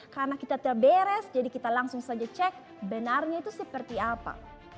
karena kita tidak beres jadi kita langsung saja cek benarnya itu seperti apa